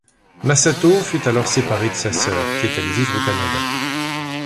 Masato fut alors séparé de sa sœur qui est allée vivre au Canada.